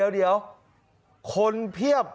เดี๋ยวคนเพียบ